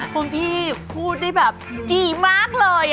คุณพี่พูดได้แบบดีมากเลย